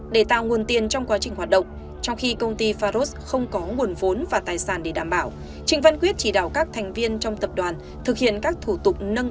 để tạo nguồn tiền trong quá trình hoạt động trong khi công ty faros không có nguồn vốn và tài sản để đảm bảo trịnh văn quyết chỉ đạo các thành viên trong tập đoàn thực hiện các thủ tục nâng cao